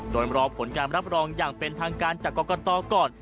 โดยรอผลการรับรองอย่างเป็นทางการจากกรกตก่อน